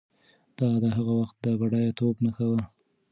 دا د هغه وخت د بډایه توب نښه وه.